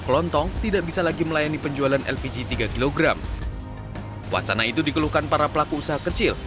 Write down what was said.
kelontong tidak bisa lagi melayani penjualan lpg tiga kg wacana itu dikeluhkan para pelaku usaha kecil